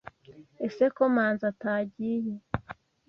ese ko Manzi atagiye.